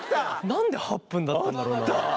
何で８分だったんだろうな。